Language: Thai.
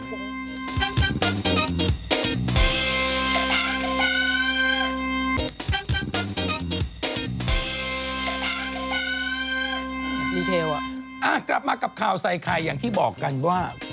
อ้าวกลับมากับข่าวไซคัยอย่างที่บอกกันว่า